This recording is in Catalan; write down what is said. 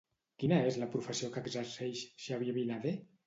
Quina és la professió que exerceix Xavier Vinader?